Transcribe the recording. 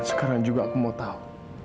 sekarang juga aku mau tahu